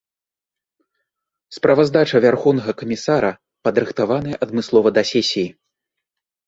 Справаздача вярхоўнага камісара падрыхтаваная адмыслова да сесіі.